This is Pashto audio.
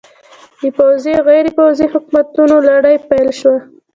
د پوځي او غیر پوځي حکومتونو لړۍ پیل شوه.